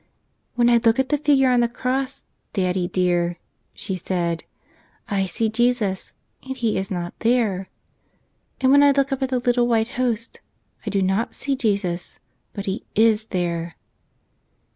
"When I look at the figure on my cross, daddy dear," she said, "I see Jesus and He is not there; and when I look up at the little white Host I do not see Jesus, but He IS there."